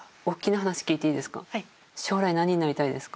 はい。